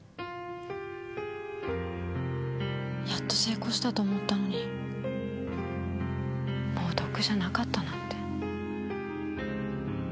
やっと成功したと思ったのにもう毒じゃなかったなんて。